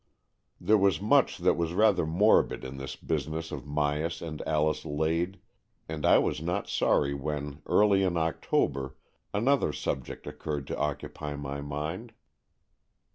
There was much that was rather morbid in this business of Myas and Alice Lade, and I was not sorry when, early in October, another subject occurred to occupy my mind.